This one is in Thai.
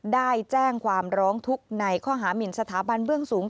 ได้แจ้งความร้องทุกข์ในข้อหามินสถาบันเบื้องสูง